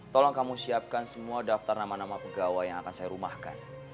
tolong kamu siapkan semua daftar nama nama pegawai yang akan saya rumahkan